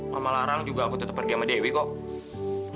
mama larang juga aku tetap pergi sama dewi kok